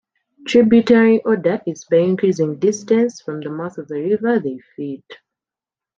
Tributary order is by increasing distance from the mouth of the river they feed.